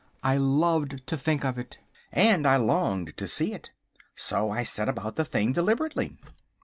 I loved to think of it, and I longed to see it. So I set about the thing deliberately.